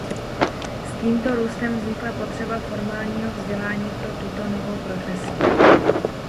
S tímto růstem vznikla potřeba formálního vzdělání pro tuto novou profesi.